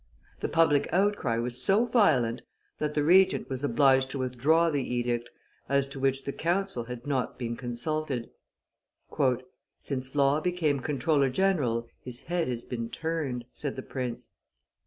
The public outcry was so violent that the Regent was obliged to withdraw the edict, as to which the council had not been consulted. "Since Law became comptroller general, his head has been turned," said the prince.